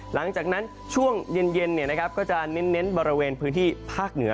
หลังจากนั้นช่วงเย็นก็จะเน้นบริเวณพื้นที่ภาคเหนือ